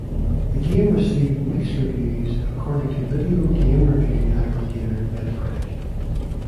The game received "mixed" reviews according to video game review aggregator Metacritic.